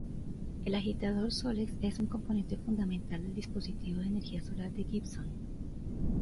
El agitador solex es un componente fundamental del dispositivo de energía solar de Gibson.